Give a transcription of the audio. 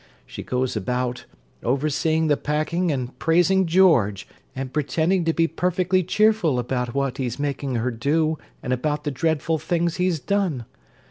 She goes about, overseeing the packing and praising George and pretending to be perfectly cheerful about what he's making her do and about the dreadful things he's done.